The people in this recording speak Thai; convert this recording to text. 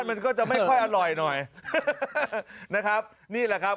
มันก็จะไม่ค่อยอร่อยนะครับ